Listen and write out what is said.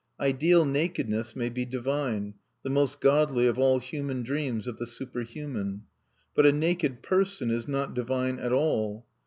Ideal nakedness may be divine, the most godly of all human dreams of the superhuman. But a naked person is not divine at all.